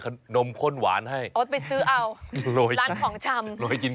คนนมข้นหวานให้โอ้โหตไปซื้อเอาล้านของจำโลยกินกัน